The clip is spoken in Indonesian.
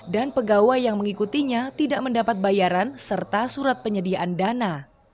dan pegawai yang mengikutinya tidak mendapat bayaran serta surat penyediaan dana